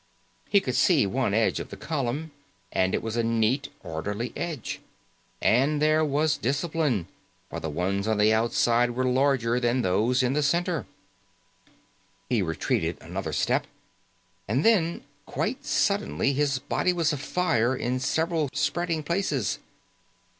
He could see one edge of the column, and it was a neat, orderly edge. And there was discipline, for the ones on the outside were larger than those in the center. He retreated another step and then, quite suddenly, his body was afire in several spreading places.